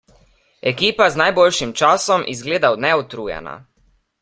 Ekipa z najboljšim časom izgleda neutrujena.